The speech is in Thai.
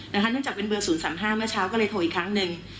เนื่องจากเป็นเบอร์๐๓๕เมื่อเช้าก็เลยโทรอีกครั้งหนึ่ง